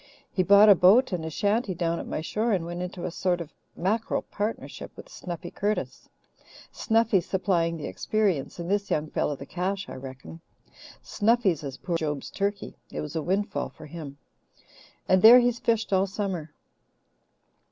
He bought a boat and a shanty down at my shore and went into a sort of mackerel partnership with Snuffy Curtis Snuffy supplying the experience and this young fellow the cash, I reckon. Snuffy's as poor as Job's turkey; it was a windfall for him. And there he's fished all summer."